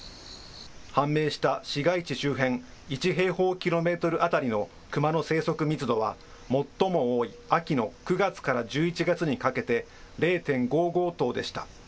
判明した市街地周辺１平方キロメートル当たりのクマの生息密度は、最も多い秋の９月から１１月にかけて０．５５頭でした。